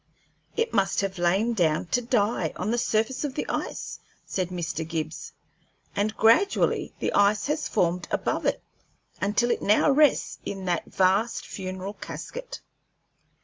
"It must have lain down to die, on the surface of the ice," said Mr. Gibbs, "and gradually the ice has formed above it, until it now rests in that vast funeral casket."